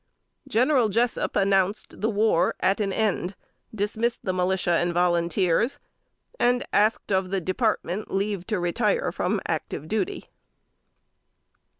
General Jessup announced the war at an end, dismissed the militia and volunteers, and asked of the Department leave to retire from active duty.